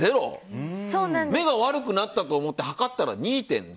目が悪くなったと思って測ったら２．０？